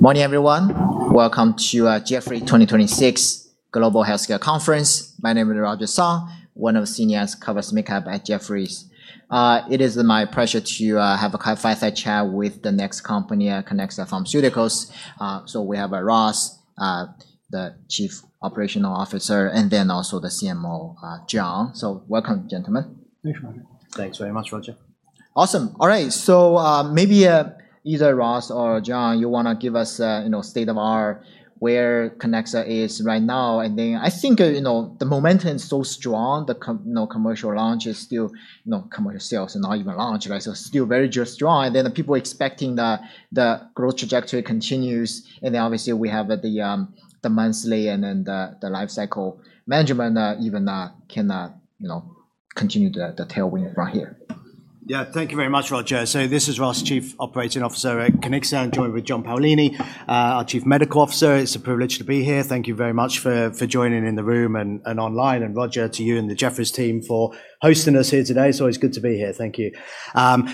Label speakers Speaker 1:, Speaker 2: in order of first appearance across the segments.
Speaker 1: Morning, everyone. Welcome to the Jefferies 2026 Global Healthcare Conference. My name is Roger Song, one of the senior analysts covering mid-cap at Jefferies. It is my pleasure to have a fireside chat with the next company, Kiniksa Pharmaceuticals. We have Ross, the Chief Operating Officer, and then also the CMO, John. Welcome, gentlemen.
Speaker 2: Thanks, Roger.
Speaker 3: Thanks very much, Roger.
Speaker 1: Awesome. All right. Maybe, either Ross or John, you want to give us a state of where Kiniksa is right now? I think the momentum is so strong, the commercial sales are not even launched, right? Still very just strong. The people are expecting that the growth trajectory continues. Obviously we have the monthly and the lifecycle management even cannot continue the tailwind from here.
Speaker 3: Yeah. Thank you very much, Roger. This is Ross, Chief Operating Officer at Kiniksa, and joined with John Paolini, our Chief Medical Officer. It's a privilege to be here. Thank you very much for joining in the room and online, and Roger, to you and the Jefferies team for hosting us here today. It's always good to be here. Thank you.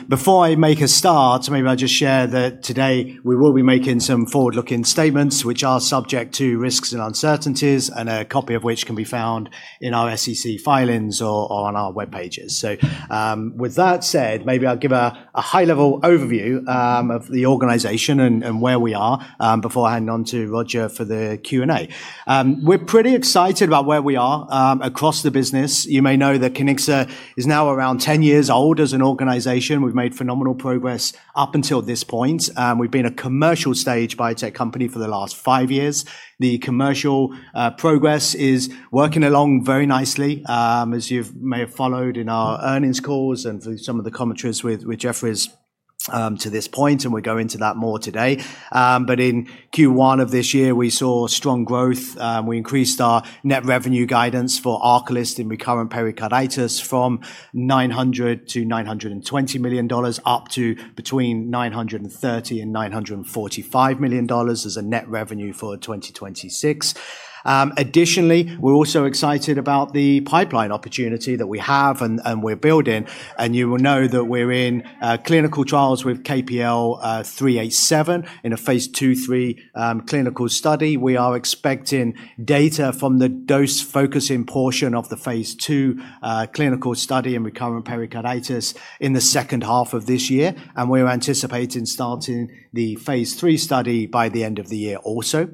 Speaker 3: Before I make a start, maybe I'll just share that today we will be making some forward-looking statements which are subject to risks and uncertainties, and a copy of which can be found in our SEC filings or on our web pages. With that said, maybe I'll give a high-level overview of the organization and where we are, before I hand on to Roger for the Q&A. We're pretty excited about where we are across the business. You may know that Kiniksa is now around 10 years old as an organization. We've made phenomenal progress up until this point. We've been a commercial-stage biotech company for the last five years. The commercial progress is working along very nicely, as you may have followed in our earnings calls and through some of the commentaries with Jefferies to this point. We'll go into that more today. In Q1 of this year, we saw strong growth. We increased our net revenue guidance for ARCALYST in recurrent pericarditis from $900 million to $920 million, up to between $930 million and $945 million as a net revenue for 2026. Additionally, we're also excited about the pipeline opportunity that we have and we're building. You will know that we're in clinical trials with KPL-387 in a phase II/III clinical study. We are expecting data from the dose-focusing portion of the phase II clinical study in recurrent pericarditis in the second half of this year, and we're anticipating starting the phase III study by the end of the year also.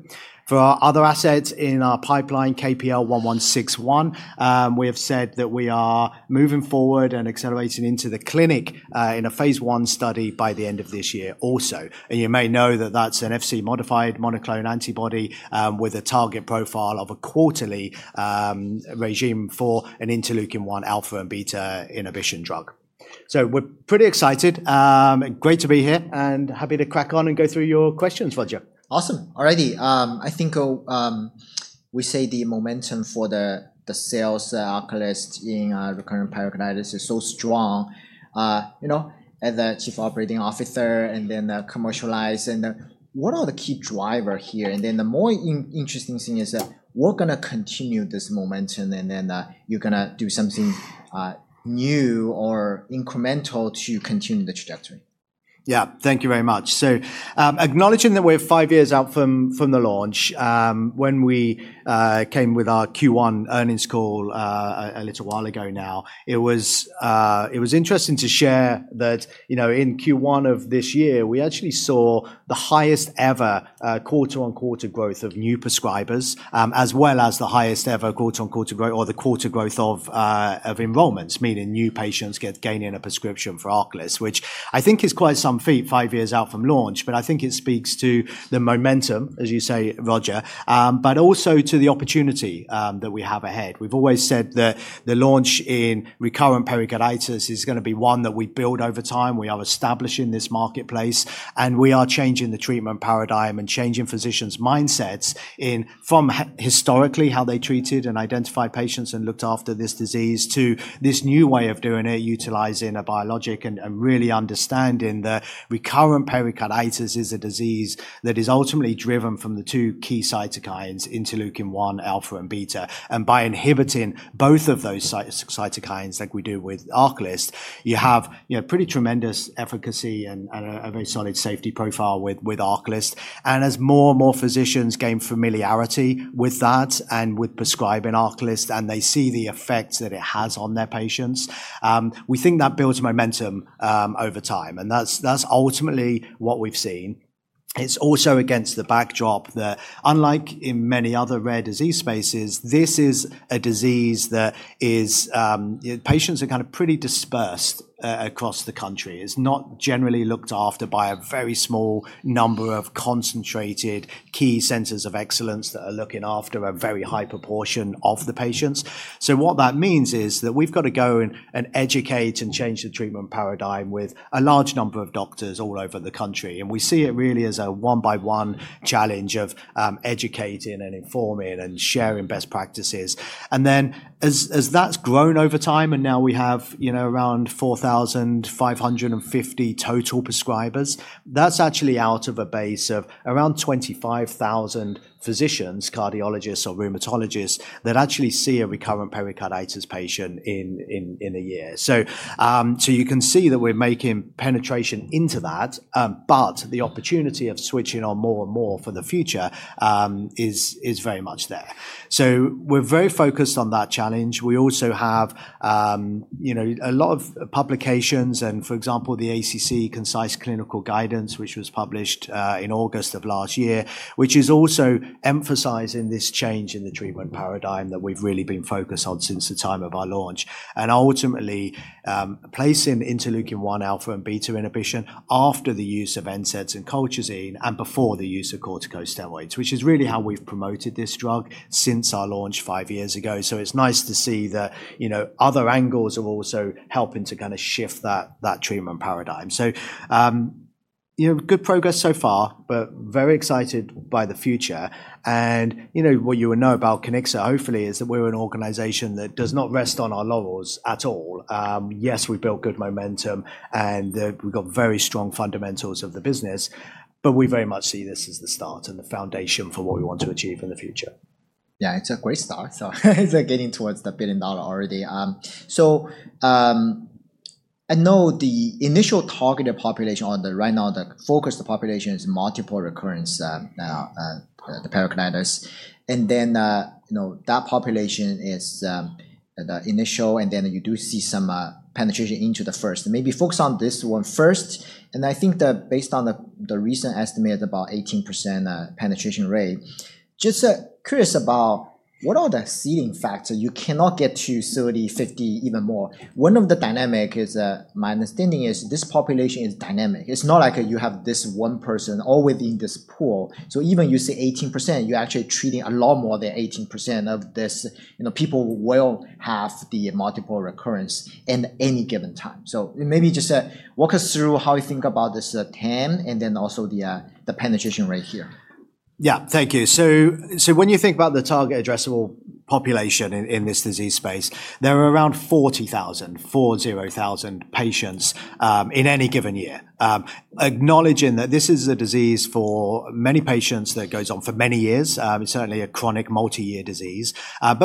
Speaker 3: For our other assets in our pipeline, KPL-1161, we have said that we are moving forward and accelerating into the clinic, in a phase I study by the end of this year also. You may know that that's an Fc-modified monoclonal antibody, with a target profile of a quarterly regime for an interleukin-1 alpha and beta inhibition drug. We're pretty excited. Great to be here, and happy to crack on and go through your questions, Roger.
Speaker 1: Awesome. All righty. I think I say the momentum for the sales of ARCALYST in recurrent pericarditis is so strong. As the Chief Operating Officer and then the commercializer, and then what are the key drivers here? The more interesting thing is that we're going to continue this momentum, and then you're going to do something new or incremental to continue the trajectory.
Speaker 3: Thank you very much. Acknowledging that we're five years out from the launch, when we came with our Q1 earnings call a little while ago now, it was interesting to share that in Q1 of this year, we actually saw the highest ever quarter-on-quarter growth of new prescribers, as well as the highest ever quarter growth of enrollments, meaning new patients gaining a prescription for ARCALYST, which I think is quite some feat five years out from launch. I think it speaks to the momentum, as you say, Roger, but also to the opportunity that we have ahead. We've always said that the launch in recurrent pericarditis is going to be one that we build over time. We are establishing this marketplace. We are changing the treatment paradigm and changing physicians' mindsets in from historically how they treated and identified patients and looked after this disease, to this new way of doing it, utilizing a biologic, and really understanding that recurrent pericarditis is a disease that is ultimately driven from the two key cytokines, interleukin-1 alpha and beta. By inhibiting both of those cytokines like we do with ARCALYST, you have pretty tremendous efficacy and a very solid safety profile with ARCALYST. As more and more physicians gain familiarity with that and with prescribing ARCALYST, and they see the effects that it has on their patients, we think that builds momentum over time, and that's ultimately what we've seen. It's also against the backdrop that unlike in many other rare disease spaces, this is a disease that patients are kind of pretty dispersed across the country. It's not generally looked after by a very small number of concentrated key centers of excellence that are looking after a very high proportion of the patients. What that means is that we've got to go and educate and change the treatment paradigm with a large number of doctors all over the country, and we see it really as a one-by-one challenge of educating and informing and sharing best practices. As that's grown over time, and now we have around 4,550 total prescribers, that's actually out of a base of around 25,000 physicians, cardiologists, or rheumatologists that actually see a recurrent pericarditis patient in a year. You can see that we're making penetration into that, but the opportunity of switching on more and more for the future is very much there. We're very focused on that challenge. We also have a lot of publications and, for example, the ACC Concise Clinical Guidance, which was published in August of last year, which is also emphasizing this change in the treatment paradigm that we've really been focused on since the time of our launch. Ultimately, placing interleukin-1 alpha and beta inhibition after the use of NSAIDs and colchicine and before the use of corticosteroids, which is really how we've promoted this drug since our launch five years ago. It's nice to see that other angles are also helping to kind of shift that treatment paradigm. Good progress so far, but very excited by the future. What you would know about Kiniksa, hopefully, is that we're an organization that does not rest on our laurels at all. Yes, we've built good momentum, and we've got very strong fundamentals of the business, but we very much see this as the start and the foundation for what we want to achieve in the future.
Speaker 1: Yeah, it's a great start. It's getting towards the $1 billion already. I know the initial targeted population or the right now the focused population is multiple recurrence, the pericarditis. That population is the initial, and then you do see some penetration into the first. Maybe focus on this one first, and I think that based on the recent estimate of about 18% penetration rate, just curious about what are the seeding factors you cannot get to 30%, 50%, even more. One of the dynamic is, my understanding is, this population is dynamic. It's not like you have this one person all within this pool. Even you say 18%, you're actually treating a lot more than 18% of this. People will have the multiple recurrence in any given time. Maybe just walk us through how you think about this TAM and then also the penetration rate here.
Speaker 3: Thank you. When you think about the target addressable population in this disease space, there are around 40,000, four zero thousand patients, in any given year. Acknowledging that this is a disease for many patients that goes on for many years. It's certainly a chronic multi-year disease.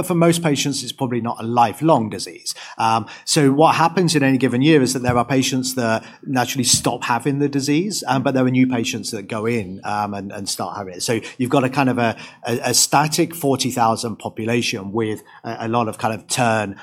Speaker 3: For most patients, it's probably not a lifelong disease. What happens in any given year is that there are patients that naturally stop having the disease, but there are new patients that go in and start having it. You've got a static 40,000 population with a lot of turn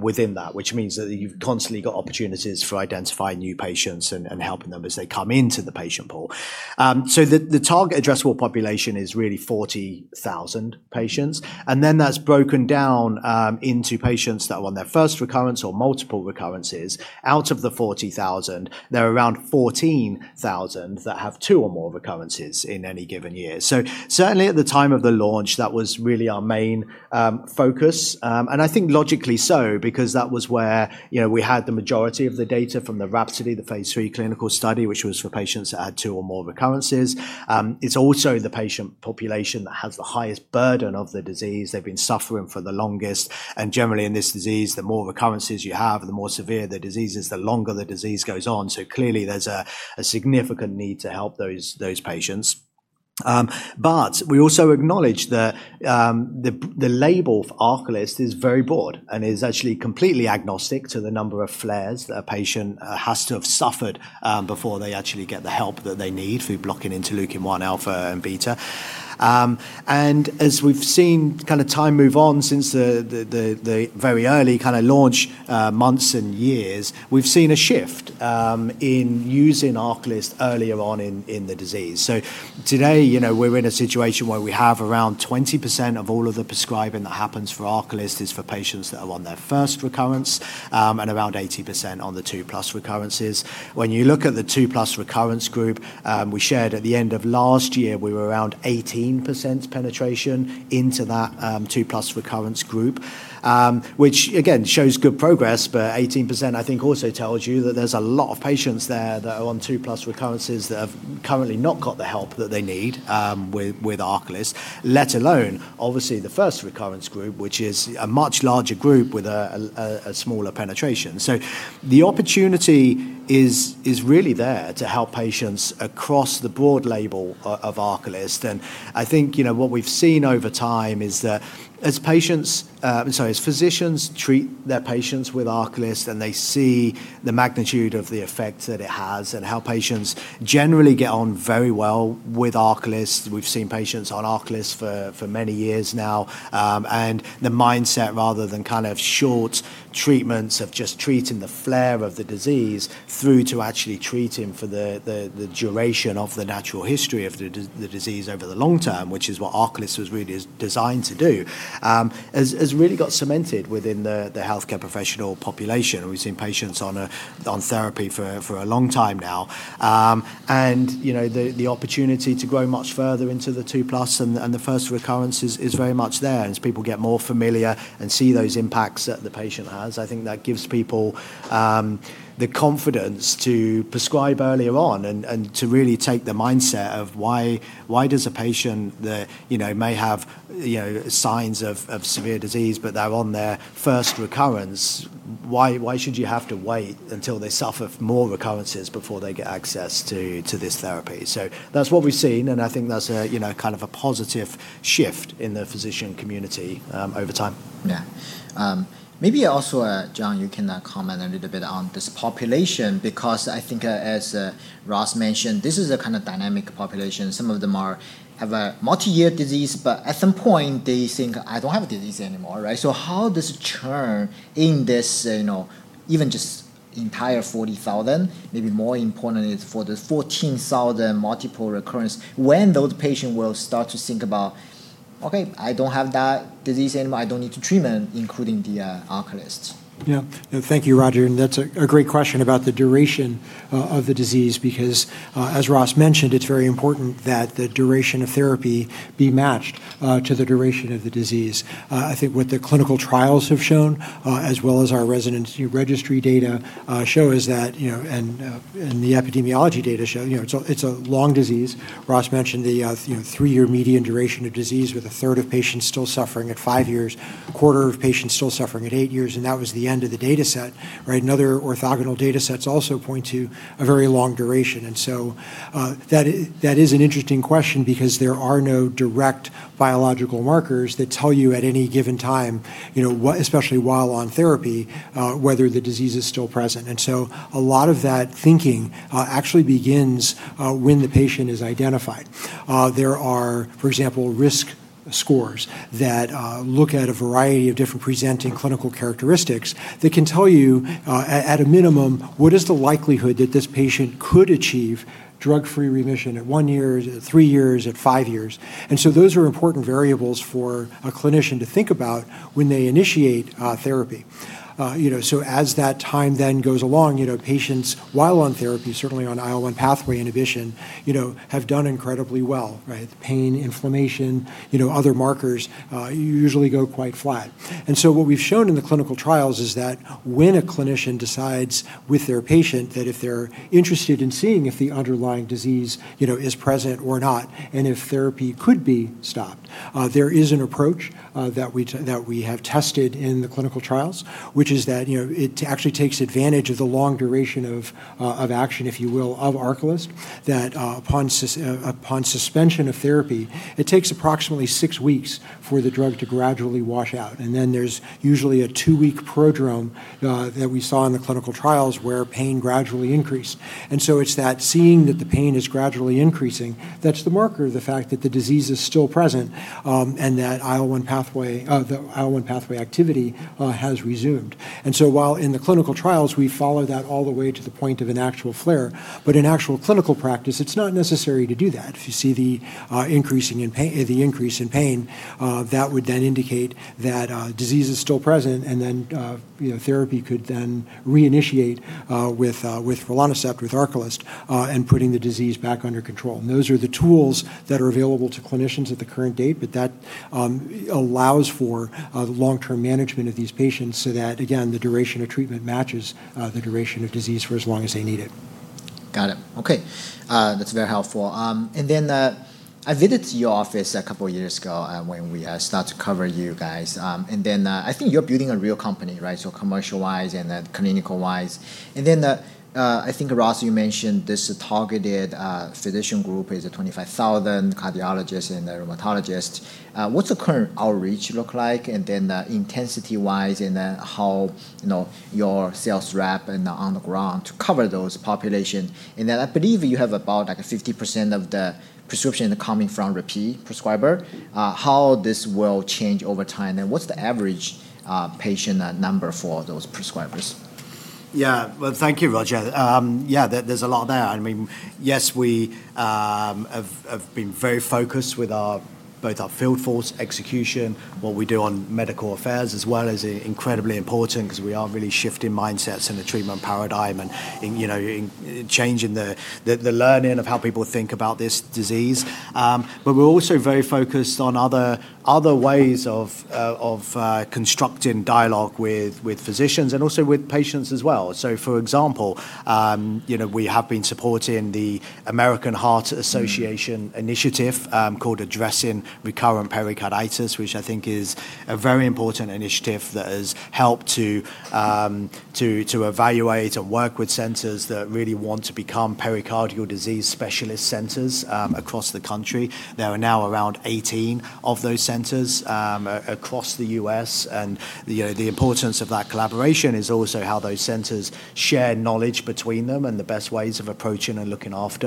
Speaker 3: within that, which means that you've constantly got opportunities for identifying new patients and helping them as they come into the patient pool. The target addressable population is really 40,000 patients, and then that's broken down into patients that are on their first recurrence or multiple recurrences. Out of the 40,000, there are around 14,000 that have two or more recurrences in any given year. Certainly at the time of the launch, that was really our main focus. I think logically so because that was where we had the majority of the data from the RHAPSODY, the phase III clinical study, which was for patients that had two or more recurrences. It's also the patient population that has the highest burden of the disease. They've been suffering for the longest, and generally in this disease, the more recurrences you have, the more severe the disease is, the longer the disease goes on. Clearly, there's a significant need to help those patients. We also acknowledge that the label of ARCALYST is very broad and is actually completely agnostic to the number of flares that a patient has to have suffered before they actually get the help that they need through blocking interleukin-1 alpha and beta. As we've seen time move on since the very early launch months and years, we've seen a shift in using ARCALYST earlier on in the disease. Today, we're in a situation where we have around 20% of all of the prescribing that happens for ARCALYST is for patients that are on their first recurrence, and around 80% on the 2+ recurrences. When you look at the 2+ recurrence group, we shared at the end of last year, we were around 18% penetration into that 2+ recurrence group. Which again, shows good progress, 18% I think also tells you that there's a lot of patients there that are on 2+ recurrences that have currently not got the help that they need with ARCALYST, let alone obviously the first recurrence group, which is a much larger group with a smaller penetration. The opportunity is really there to help patients across the broad label of ARCALYST. I think what we've seen over time is that as physicians treat their patients with ARCALYST and they see the magnitude of the effect that it has and how patients generally get on very well with ARCALYST. We've seen patients on ARCALYST for many years now. The mindset rather than short treatments of just treating the flare of the disease through to actually treating for the duration of the natural history of the disease over the long term, which is what ARCALYST was really designed to do, has really got cemented within the healthcare professional population. We've seen patients on therapy for a long time now. The opportunity to grow much further into the 2+ and the first recurrences is very much there. As people get more familiar and see those impacts that the patient has, I think that gives people the confidence to prescribe earlier on and to really take the mindset of why does a patient that may have signs of severe disease, but they're on their first recurrence, why should you have to wait until they suffer more recurrences before they get access to this therapy? That's what we've seen, and I think that's a positive shift in the physician community over time.
Speaker 1: Yeah. Maybe also, John, you can comment a little bit on this population because I think as Ross mentioned, this is a kind of dynamic population. Some of them have a multi-year disease, but at some point they think, "I don't have a disease anymore." Right? How does churn in this even just entire 40,000, maybe more importantly for the 14,000 multiple recurrence, when those patient will start to think about. Okay. I don't have that disease anymore. I don't need the treatment, including the ARCALYST.
Speaker 2: Thank you, Roger, that's a great question about the duration of the disease, because as Ross mentioned, it's very important that the duration of therapy be matched to the duration of the disease. I think what the clinical trials have shown, as well as our RESONANCEy registry data show is that, and the epidemiology data show, it's a long disease. Ross mentioned the three-year median duration of disease, with a third of patients still suffering at five years, a quarter of patients still suffering at eight years, and that was the end of the data set. Right? Other orthogonal data sets also point to a very long duration. That is an interesting question because there are no direct biological markers that tell you at any given time, especially while on therapy, whether the disease is still present. A lot of that thinking actually begins when the patient is identified. There are, for example, risk scores that look at a variety of different presenting clinical characteristics that can tell you, at a minimum, what is the likelihood that this patient could achieve drug-free remission at one year, at three years, at five years. Those are important variables for a clinician to think about when they initiate therapy. As that time then goes along, patients, while on therapy, certainly on IL-1 pathway inhibition, have done incredibly well, right? The pain, inflammation, other markers usually go quite flat. So what we've shown in the clinical trials is that when a clinician decides with their patient that if they're interested in seeing if the underlying disease is present or not, and if therapy could be stopped, there is an approach that we have tested in the clinical trials, which is that it actually takes advantage of the long duration of action, if you will, of ARCALYST. Upon suspension of therapy, it takes approximately six weeks for the drug to gradually wash out. Then there's usually a two-week prodrome, that we saw in the clinical trials, where pain gradually increased. So it's that seeing that the pain is gradually increasing, that's the marker of the fact that the disease is still present, and that the IL-1 pathway activity has resumed. While in the clinical trials, we follow that all the way to the point of an actual flare, but in actual clinical practice, it's not necessary to do that. If you see the increase in pain, that would then indicate that disease is still present and then therapy could then reinitiate with rilonacept, with ARCALYST, and putting the disease back under control. Those are the tools that are available to clinicians at the current date, but that allows for the long-term management of these patients so that, again, the duration of treatment matches the duration of disease for as long as they need it.
Speaker 1: Got it. Okay. That's very helpful. I visited your office a couple of years ago when we started to cover you guys. I think you're building a real company, right? Commercial-wise and then clinical-wise. I think Ross, you mentioned this targeted physician group is 25,000 cardiologists and rheumatologists. What's the current outreach look like, and then intensity-wise, and then how your sales rep on the ground to cover those population. I believe you have about 50% of the prescription coming from repeat prescriber. How this will change over time, and what's the average patient number for those prescribers?
Speaker 3: Thank you, Roger. There's a lot there. We have been very focused with both our field force execution, what we do on medical affairs as well is incredibly important because we are really shifting mindsets and the treatment paradigm and changing the learning of how people think about this disease. We're also very focused on other ways of constructing dialogue with physicians, and also with patients as well. For example, we have been supporting the American Heart Association initiative, called Addressing Recurrent Pericarditis, which I think is a very important initiative that has helped to evaluate and work with centers that really want to become pericardial disease specialist centers across the country. There are now around 18 of those centers across the U.S., and the importance of that collaboration is also how those centers share knowledge between them and the best ways of approaching and looking after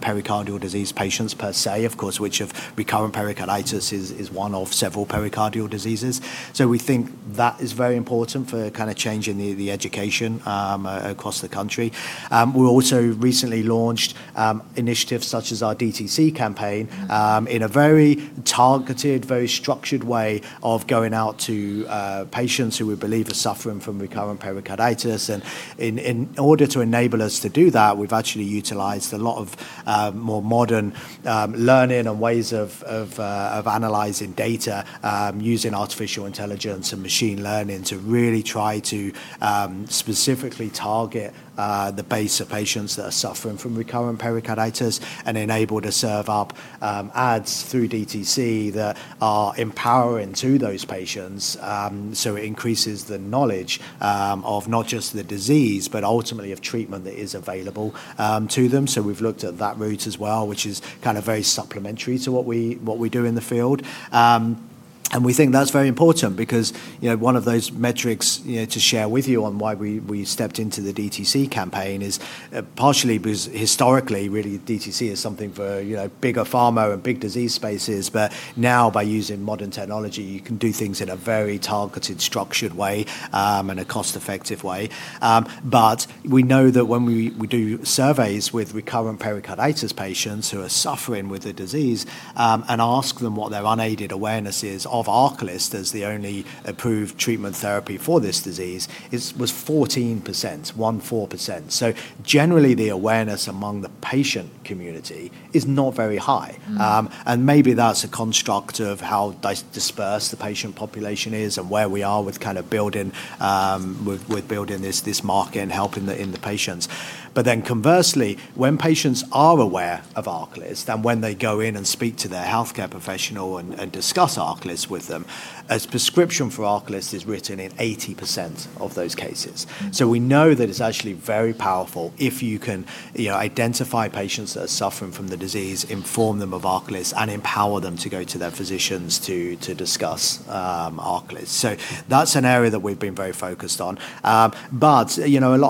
Speaker 3: pericardial disease patients per se. Of course, which of recurrent pericarditis is one of several pericardial diseases. We think that is very important for changing the education across the country. We also recently launched initiatives such as our DTC campaign, in a very targeted, very structured way of going out to patients who we believe are suffering from recurrent pericarditis. In order to enable us to do that, we've actually utilized a lot of more modern learning and ways of analyzing data using artificial intelligence and machine learning to really try to specifically target the base of patients that are suffering from recurrent pericarditis, and enable to serve up ads through DTC that are empowering to those patients. It increases the knowledge of not just the disease, but ultimately of treatment that is available to them. We've looked at that route as well, which is very supplementary to what we do in the field. We think that's very important because one of those metrics to share with you on why we stepped into the DTC campaign is partially because historically, really DTC is something for bigger pharma and big disease spaces. Now by using modern technology, you can do things in a very targeted, structured way, and a cost-effective way. We know that when we do surveys with recurrent pericarditis patients who are suffering with the disease and ask them what their unaided awareness is of ARCALYST as the only approved treatment therapy for this disease, it was 14%. Generally, the awareness among the patient community is not very high. Maybe that's a construct of how dispersed the patient population is and where we are with building this market and helping the patients. Conversely, when patients are aware of ARCALYST and when they go in and speak to their healthcare professional and discuss ARCALYST with them, a prescription for ARCALYST is written in 80% of those cases. We know that it's actually very powerful if you can identify patients that are suffering from the disease, inform them of ARCALYST, and empower them to go to their physicians to discuss ARCALYST. That's an area that we've been very focused on. A lot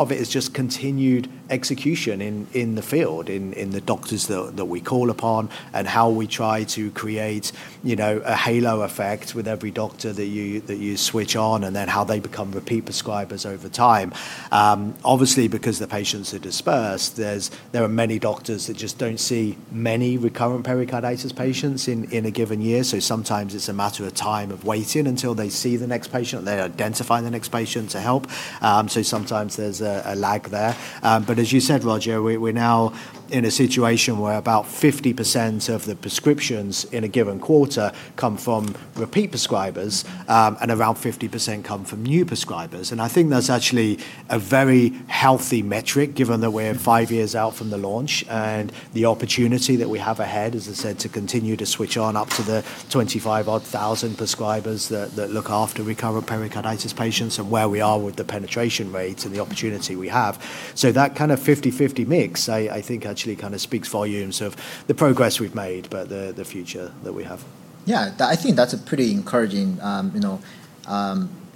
Speaker 3: of it is just continued execution in the field, in the doctors that we call upon and how we try to create a halo effect with every doctor that you switch on, and then how they become repeat prescribers over time. Obviously, because the patients are dispersed, there are many doctors that just don't see many recurrent pericarditis patients in a given year, so sometimes it's a matter of time of waiting until they see the next patient, they identify the next patient to help. Sometimes there's a lag there. As you said, Roger, we're now in a situation where about 50% of the prescriptions in a given quarter come from repeat prescribers, and around 50% come from new prescribers. I think that's actually a very healthy metric given that we're five years out from the launch and the opportunity that we have ahead, as I said, to continue to switch on up to the 25-odd thousand prescribers that look after recurrent pericarditis patients and where we are with the penetration rates and the opportunity we have. That kind of 50/50 mix, I think, actually kind of speaks volumes of the progress we've made, but the future that we have.
Speaker 1: Yeah, I think that's pretty encouraging.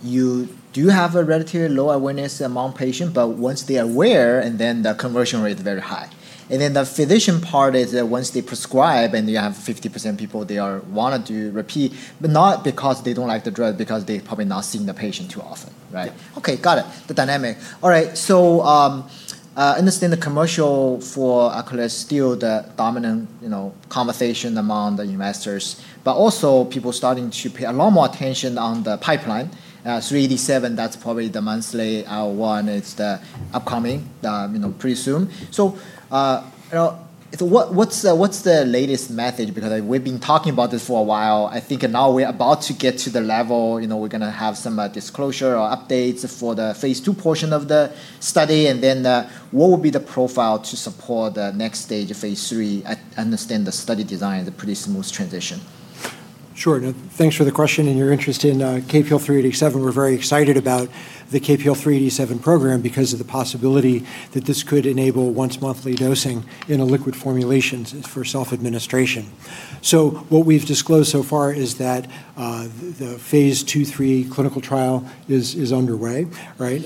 Speaker 1: You do have a relatively low awareness among patients, but once they are aware, and then the conversion rate is very high. The physician part is that once they prescribe and you have 50% of people they are wanting to repeat, but not because they don't like the drug, because they're probably not seeing the patient too often, right?
Speaker 3: Yeah.
Speaker 1: Okay, got it, the dynamic. All right. Understand the commercial for ARCALYST is still the dominant conversation among the investors, but also people are starting to pay a lot more attention on the pipeline. 387, that's probably the monthly one. It's upcoming pretty soon. What's the latest method? Because we've been talking about this for a while. I think now we're about to get to the level we're going to have some disclosure or updates for the phase II portion of the study, and then what will be the profile to support the next stage of phase III? I understand the study design is a pretty smooth transition.
Speaker 2: Sure. Thanks for the question and your interest in KPL-387. We're very excited about the KPL-387 program because of the possibility that this could enable once-monthly dosing in a liquid formulation for self-administration. What we've disclosed so far is that the phase II/III clinical trial is underway, right?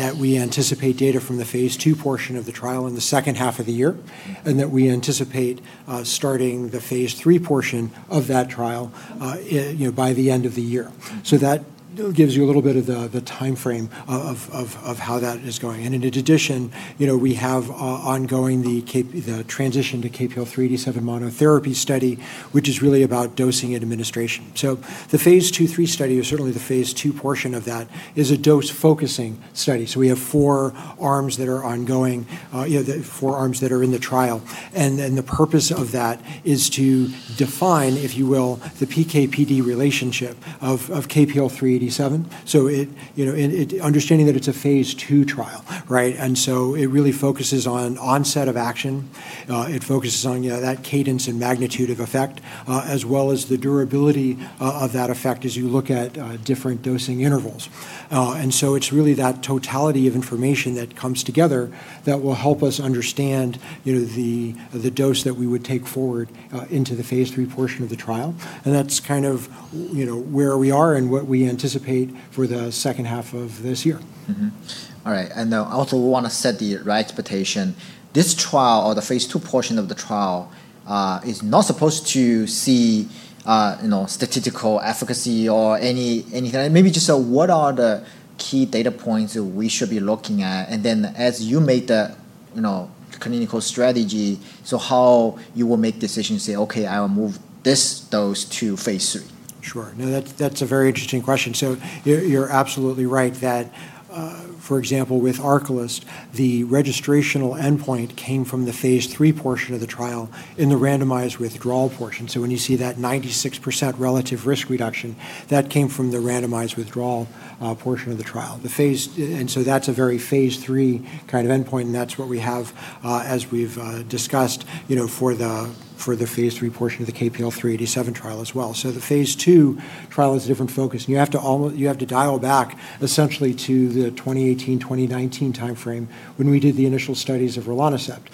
Speaker 2: That we anticipate data from the phase II portion of the trial in the second half of the year, and that we anticipate starting the phase III portion of that trial by the end of the year. That gives you a little bit of the timeframe of how that is going. In addition, we have ongoing the transition to KPL-387 monotherapy study, which is really about dosing and administration. The phase II/III study is certainly the phase II portion of that is a dose-focusing study. We have four arms that are ongoing, the four arms that are in the trial. The purpose of that is to define, if you will, the PK/PD relationship of KPL-387. Understanding that it's a phase II trial, right? It really focuses on onset of action. It focuses on that cadence and magnitude of effect, as well as the durability of that effect as you look at different dosing intervals. It's really that totality of information that comes together that will help us understand the dose that we would take forward into the phase III portion of the trial. That's kind of where we are and what we anticipate for the second half of this year.
Speaker 1: Mm-hmm. All right. Also we want to set the right expectation. This trial or the phase II portion of the trial is not supposed to see statistical efficacy or anything like that. Maybe just what are the key data points that we should be looking at? Then as you made the clinical strategy. How you will make decisions, say, "Okay, I will move this dose to phase III.''
Speaker 2: Sure. No, that's a very interesting question. You're absolutely right that, for example, with ARCALYST, the registrational endpoint came from the phase III portion of the trial in the randomized withdrawal portion. When you see that 96% relative risk reduction, that came from the randomized withdrawal portion of the trial. That's a very phase III kind of endpoint, and that's what we have, as we've discussed, for the phase III portion of the KPL-387 trial as well. The phase II trial is a different focus, and you have to dial back essentially to the 2018, 2019 timeframe when we did the initial studies of rilonacept.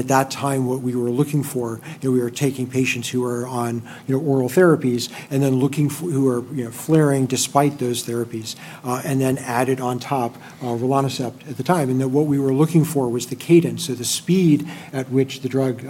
Speaker 2: At that time, what we were looking for, and we were taking patients who were on oral therapies, and then looking who are flaring despite those therapies, and then added on top rilonacept at the time. That what we were looking for was the cadence or the speed at which the drug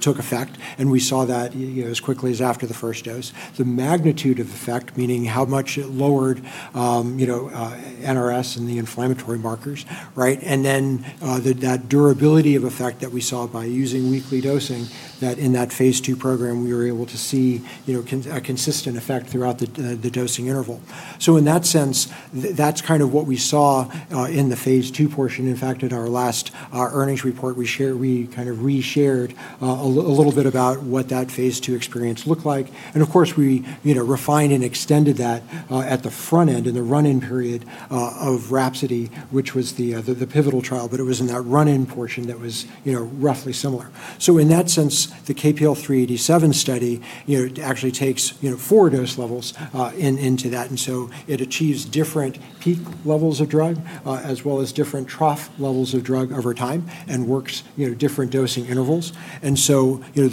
Speaker 2: took effect, and we saw that as quickly as after the first dose. The magnitude of effect, meaning how much it lowered NRS and the inflammatory markers, right? That durability of effect that we saw by using weekly dosing, that in that phase II program, we were able to see a consistent effect throughout the dosing interval. In that sense, that's kind of what we saw in the phase II portion. In fact, at our last earnings report, we kind of re-shared a little bit about what that phase II experience looked like. Of course, we refined and extended that at the front end in the run-in period of RHAPSODY, which was the pivotal trial. It was in that run-in portion that was roughly similar. In that sense, the KPL-387 study actually takes four dose levels into that, it achieves different peak levels of drug, as well as different trough levels of drug over time and works different dosing intervals.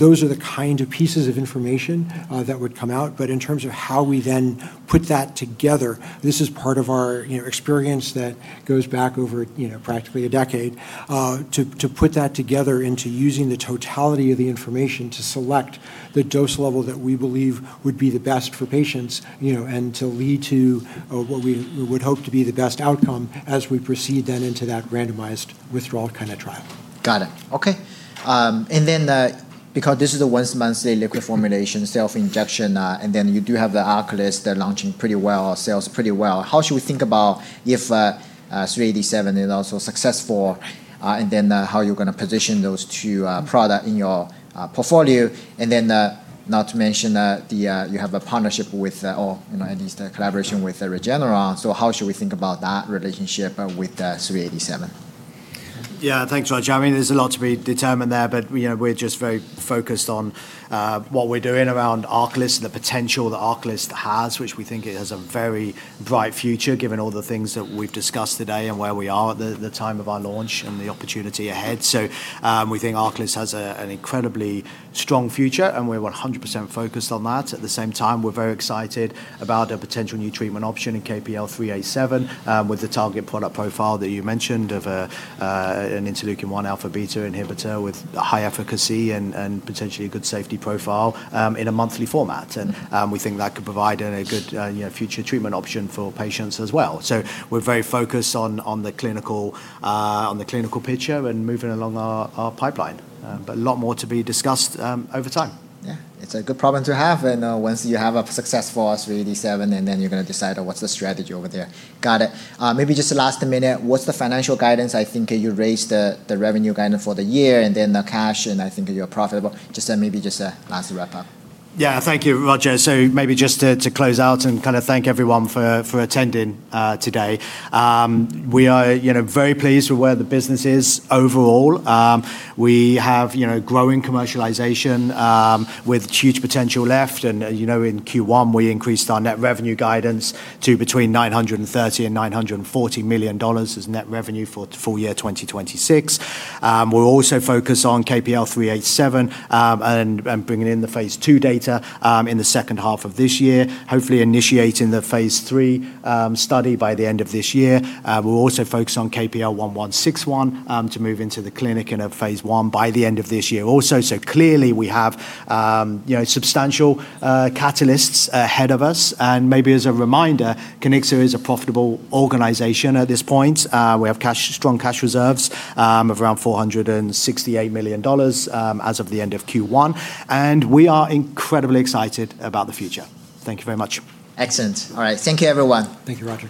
Speaker 2: Those are the kind of pieces of information that would come out. In terms of how we then put that together, this is part of our experience that goes back over practically a decade, to put that together into using the totality of the information to select the dose level that we believe would be the best for patients, and to lead to what we would hope to be the best outcome as we proceed then into that randomized withdrawal kind of trial.
Speaker 1: Got it. Okay. Because this is a once-monthly liquid formulation self-injection, you do have the ARCALYST that's launching pretty well, sells pretty well, how should we think about if 387 is also successful, how you're going to position those two products in your portfolio? Not to mention that you have a partnership with or at least a collaboration with Regeneron, so how should we think about that relationship with 387?
Speaker 3: Yeah, thanks, Roger. There's a lot to be determined there, we're just very focused on what we're doing around ARCALYST and the potential that ARCALYST has, which we think it has a very bright future, given all the things that we've discussed today and where we are at the time of our launch and the opportunity ahead. We think ARCALYST has an incredibly strong future, and we're 100% focused on that. At the same time, we're very excited about a potential new treatment option in KPL-387, with the target product profile that you mentioned of an interleukin-1 alpha beta inhibitor with high efficacy and potentially a good safety profile in a monthly format. We think that could provide a good future treatment option for patients as well. We're very focused on the clinical picture and moving along our pipeline. A lot more to be discussed over time.
Speaker 1: Yeah. It's a good problem to have, and once you have a successful 387, and then you're going to decide on what's the strategy over there. Got it. Maybe just last minute, what's the financial guidance? I think you raised the revenue guidance for the year, and then the cash, and I think you are profitable. Just maybe last wrap-up.
Speaker 3: Yeah. Thank you, Roger. Maybe just to close out and thank everyone for attending today. We are very pleased with where the business is overall. We have growing commercialization with huge potential left. In Q1, we increased our net revenue guidance to between $930 million and $940 million as net revenue for full year 2026. We're also focused on KPL-387, and bringing in the phase II data in the second half of this year, hopefully initiating the phase III study by the end of this year. We're also focused on KPL-1161 to move into the clinic in a phase I by the end of this year also. Clearly, we have substantial catalysts ahead of us. Maybe as a reminder, Kiniksa is a profitable organization at this point. We have strong cash reserves of around $468 million as of the end of Q1, and we are incredibly excited about the future. Thank you very much.
Speaker 1: Excellent. All right. Thank you, everyone.
Speaker 2: Thank you, Roger.